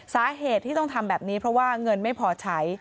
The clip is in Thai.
สาเหตุที่ต้องทำแบบนี้เพราะว่าเงินไม่พอใช้